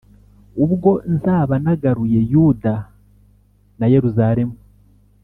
ubwo nzaba nagaruye Yuda na Yeruzalemu,